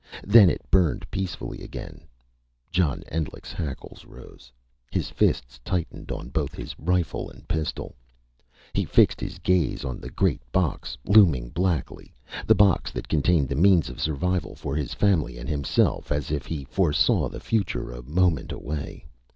Then it burned peacefully again. John Endlich's hackles rose. His fists tightened on both his rifle and pistol. He fixed his gaze on the great box, looming blackly, the box that contained the means of survival for his family and himself, as if he foresaw the future, a moment away.